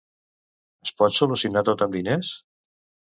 Es pot solucionar tot amb diners?